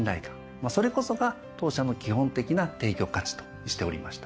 それこそが当社の基本的な提供価値としておりました。